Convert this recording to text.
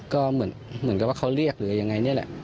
ก็เหมือนกับว่าเขาเรียกหรือยังไงนี่แหละ